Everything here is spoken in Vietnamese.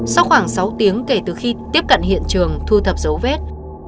sau khoảng sáu tiếng kể từ khi tiếp cận hiện trường thu thập dấu vết